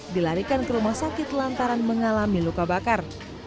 dilarikan ke rumah sakit lantaran mengalami luka bakar